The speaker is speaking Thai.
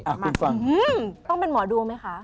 คุณฟังต้องเป็นหมอดูมั้ยคะ